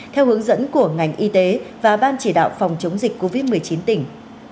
theo hướng dẫn của ngành y tế và ban chỉ đạo phòng chống dịch covid một mươi chín tỉnh